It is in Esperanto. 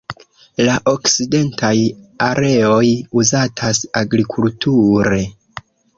La okcidentaj areoj uzatas agrikulture.